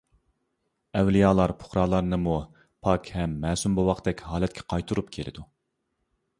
ئەۋلىيالار پۇقرالارنىمۇ پاك ھەم مەسۇم بوۋاقتەك ھالەتكە قايتۇرۇپ كېلىدۇ.